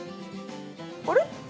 あれ？